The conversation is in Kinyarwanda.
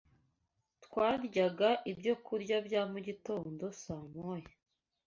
Twaryaga ibyokurya bya mugitondo saa moya